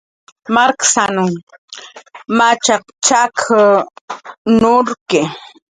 Markasn machaq chakw nurki